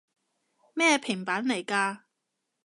咩平板來㗎？